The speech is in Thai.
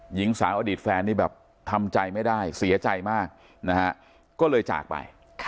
หญิงสาวอดีตแฟนนี่แบบทำใจไม่ได้เสียใจมากนะฮะก็เลยจากไป